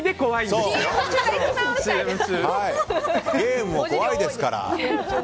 ゲームも怖いですから。